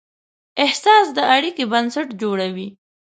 احساس د اړیکې بنسټ جوړوي.